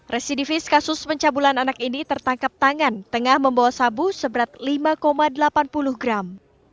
residivis kasus pencabulan anak ini tertangkap tangan tengah membawa sabu seberat lima delapan puluh gram